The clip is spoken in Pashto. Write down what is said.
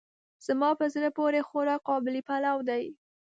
زما په زړه پورې خوراک قابلي پلو دی.